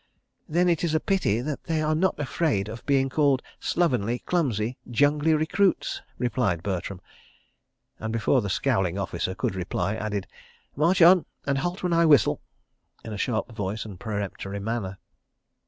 "Then it is a pity they are not afraid of being called slovenly, clumsy, jungly recruits," replied Bertram—and before the scowling officer could reply, added: "March on—and halt when I whistle," in sharp voice and peremptory manner.